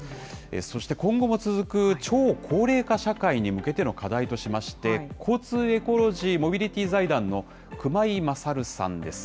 そして今後も続く超高齢化社会に向けての課題としまして、交通エコロジー・モビリティ財団の熊井大さんです。